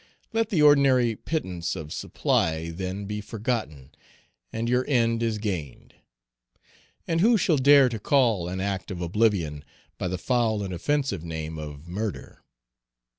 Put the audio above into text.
Let the ordinary pittance of supply then be forgotten, and your end is gained. And who shall dare to call an act of oblivion by the foul and offensive name of murder?